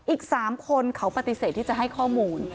อีก๓คนเขาปฏิเสธที่จะให้ข้อมูล